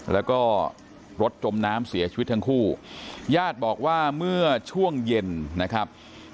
แล้วก็รถจมน้ำเสียชีวิตทั้งคู่ญาติบอกว่าเมื่อช่วงเย็นนะครับ